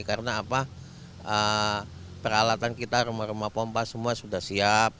karena peralatan kita rumah rumah pompa semua sudah siap